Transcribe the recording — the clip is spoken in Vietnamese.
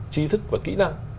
chi thức và kỹ năng